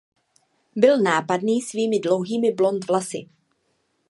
Byl nápadný svými dlouhými blond vlasy.